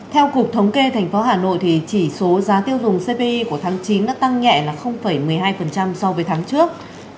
theo cục thống kê tp hcm chỉ số giá tiêu dùng cpi của tháng chín đã tăng nhẹ một mươi hai so với tháng trước